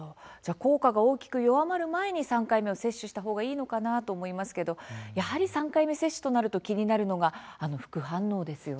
効果が弱まる前に３回目を接種したほうがいいのかなと思いますがやはり３回目接種、気になるのが副反応ですよね。